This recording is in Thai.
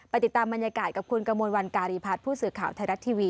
ติดตามบรรยากาศกับคุณกระมวลวันการีพัฒน์ผู้สื่อข่าวไทยรัฐทีวี